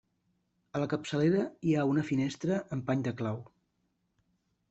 A la capçalera hi ha una finestra amb pany de clau.